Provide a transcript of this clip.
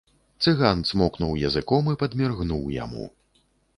Цыган цмокнуў языком і падміргнуў яму.